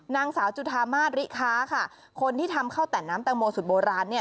นางสาวจุธามาสริค้าค่ะคนที่ทำข้าวแต่นน้ำแตงโมสุดโบราณเนี่ย